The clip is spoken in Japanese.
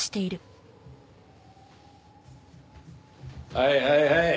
はいはいはい。